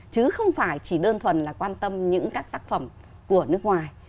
chứ không phải chỉ đơn thuần là quan tâm những các tác phẩm của nước ngoài